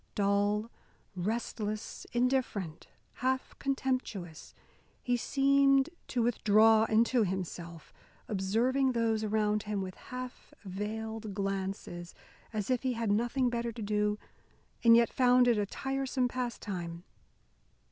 Dull, restless, indifferent, half contemptuous, he seemed to withdraw into himself, observing those around him with half veiled glances, as if he had nothing better to do and yet found it a tiresome pastime.